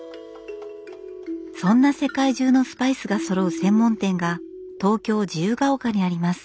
そんな世界中のスパイスがそろう専門店が東京・自由が丘にあります。